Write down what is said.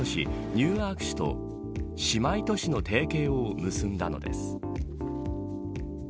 ニューアーク市と姉妹都市の提携を結んだのです。